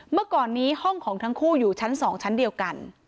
เมื่อก่อนนี้ห้องของทั้งคู่อยู่ชั้น๒ชั้นเดียวกัน